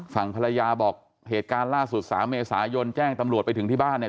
ฝั่งภรรยาบอกเหตุการณ์ล่าสุด๓เมษายนแจ้งตำรวจไปถึงที่บ้านเนี่ย